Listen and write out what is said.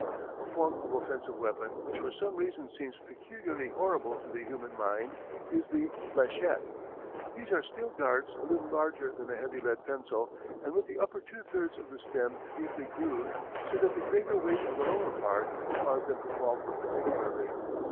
A form of offensive weapon which for some reason seems peculiarly horrible to the human mind is the fléchette. These are steel darts a little larger than a heavy lead pencil and with the upper two thirds of the stem deeply grooved so that the greater weight of the lower part will cause them to fall perpendicularly.